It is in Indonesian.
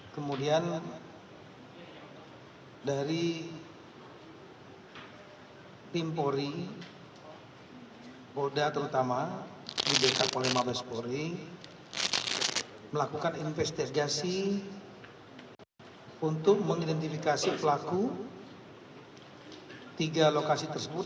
kemudian dari tim polri boda terutama melakukan investigasi untuk mengidentifikasi pelaku tiga lokasi tersebut